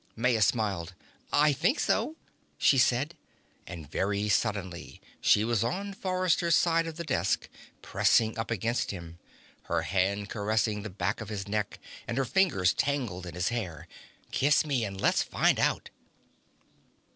Maya smiled. "I think so," she said, and very suddenly she was on Forrester's side of the desk, pressing up against him. Her hand caressed the back of his neck and her fingers tangled in his hair. "Kiss me and let's find out."